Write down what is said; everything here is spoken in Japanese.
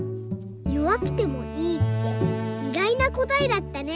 「よわくてもいい」っていがいなこたえだったね。